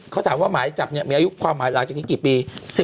เขาถามว่าหมายจับมีอายุความหลังจากนี้กี่ปี